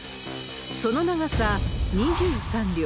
その長さ、２３両。